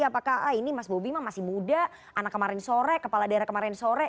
apakah ah ini mas bobi masih muda anak kemarin sore kepala daerah kemarin sore